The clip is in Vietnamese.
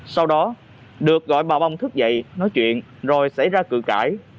sau đó được gọi bà bong thức dậy nói chuyện rồi xảy ra cử cãi